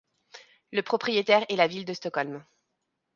Le propriétaire est la ville de Stockholm.